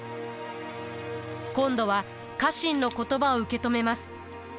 今度は家臣の言葉を受け止めます。